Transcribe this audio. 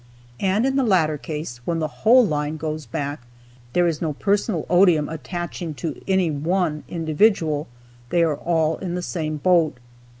And, in the latter case, when the whole line goes back, there is no personal odium attaching to any one individual; they are all in the same boat.